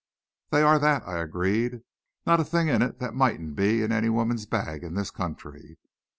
"They are that," I agreed. "Not a thing in it that mightn't be in any woman's bag in this country.